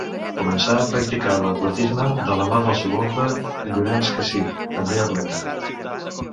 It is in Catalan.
Començà a practicar l'atletisme de la mà del seu oncle Llorenç Cassi, també atleta.